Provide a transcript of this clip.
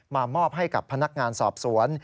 มามอบให้กับพนักงานสอบสวน